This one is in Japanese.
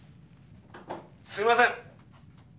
「すみません！」